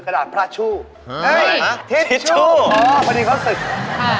ข้าดพระชู้เฮ่ยทิชชู้อ๋อพอดีเขาศึกค่ะ